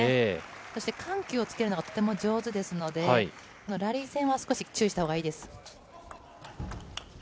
そして緩急をつけるのがとても上手ですので、ラリー戦は少し注意したほうがいいです。